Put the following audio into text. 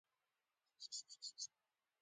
دا جوړښتونه د مریانو سوداګري لویه ځانګړنه وه.